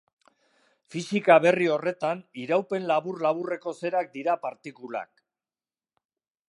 Fisika berri horretan, iraupen labur-laburreko zerak dira partikulak.